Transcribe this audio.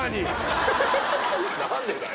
何でだよ。